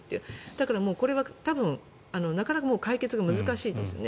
だからこれは多分なかなか解決が難しいと。